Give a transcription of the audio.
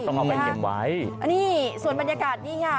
เอาไปเก็บไว้อันนี้ส่วนบรรยากาศนี่ค่ะ